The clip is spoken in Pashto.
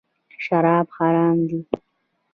شراب حرام دي .